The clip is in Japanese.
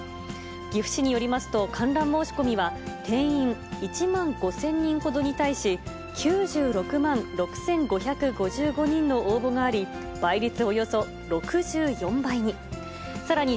岐阜市によりますと、観覧申し込みは、定員１万５０００人ほどに対し、９６万６５５５人の応募があり、倍率